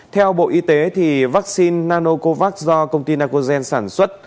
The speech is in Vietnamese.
theo bộ y tế vaccine nanocovax do công ty nacojen sản xuất